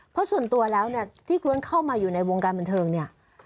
เพราะส่วนตัวแล้วเนี่ยที่กล้วนเข้ามาอยู่ในวงการบันเทิงเนี่ย